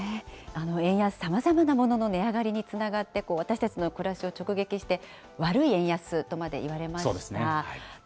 円安、さまざまなものの値上がりにつながって、私たちの暮らしを直撃して、悪い円安とまでいわれました。